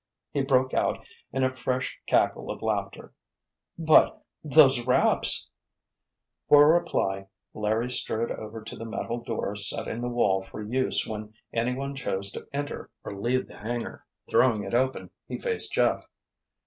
He broke out in a fresh cackle of laughter. "But—those raps——" For reply Larry strode over to the metal door set in the wall for use when anyone chose to enter or leave the hangar. Throwing it open, he faced Jeff.